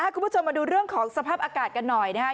คุณผู้ชมมาดูเรื่องของสภาพอากาศกันหน่อยนะครับ